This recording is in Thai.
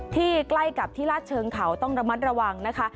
ใกล้กับที่ลาดเชิงเขาต้องระมัดระวังนะคะ